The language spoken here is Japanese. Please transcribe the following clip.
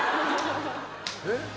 えっ。